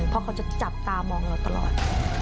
เพราะเขาจะจับตามองเราตลอด